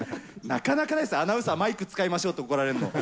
なかなかないですよ、アナウンサーがマイク使いましょうって怒られるの。